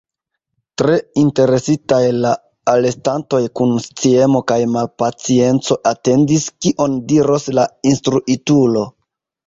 Tre ekinteresitaj, la alestantoj kun sciemo kaj malpacienco atendis, kion diros la instruitulo.